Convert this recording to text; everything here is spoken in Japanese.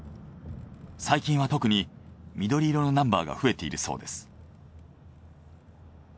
最近は特に緑色のナンバーが増えているそうです。